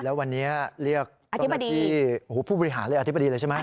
แล้ววันนี้เรียกอธิบดีผู้บริหารเลยอธิบดีเลยใช่ไหม